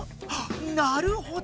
なるほど！